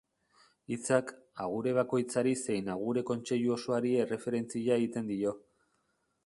Hitzak, agure bakoitzari zein Agure Kontseilu osoari erreferentzia egiten dio.